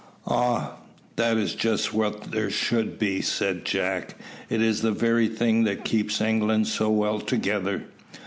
"Ah! that is just what there should be," said Jack. "It is the very thing that keeps England so well together.